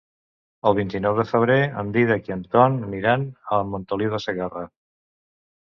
El vint-i-nou de febrer en Dídac i en Ton aniran a Montoliu de Segarra.